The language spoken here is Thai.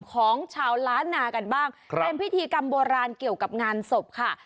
ของชาวล้านนากันบ้างครับเป็นพิธีกรรมโบราณเกี่ยวกับงานศพค่ะ